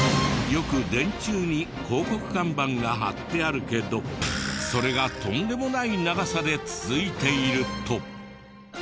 よく電柱に広告看板が貼ってあるけどそれがとんでもない長さで続いていると。